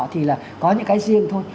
thì là có những cái riêng thôi